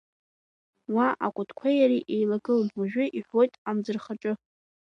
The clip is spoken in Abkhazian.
Уа акәытқәеи иареи еилагылан, уажәы иҳәуеит амӡырхаҿы.